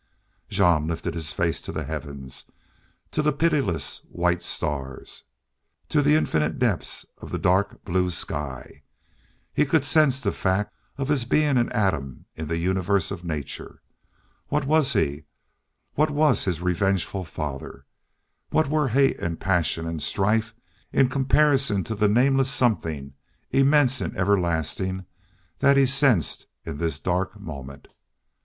Jean lifted his face to the heavens, to the pitiless white stars, to the infinite depths of the dark blue sky. He could sense the fact of his being an atom in the universe of nature. What was he, what was his revengeful father, what were hate and passion and strife in comparison to the nameless something, immense and everlasting, that he sensed in this dark moment?